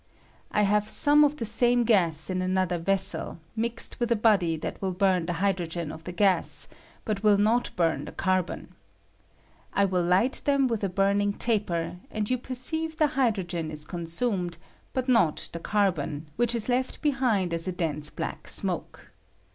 I have some of the same gas in another vessel, mixed with a body that will bum the hydro gen of the gas, but will not bum the carbon. I will light them with a burning taper, and you perceive the hydi'ogen is consumed, but not the carbon, which ia left behind as a dense black smoke.